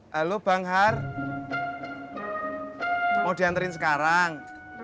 lalu bang har mau diantarin sekarang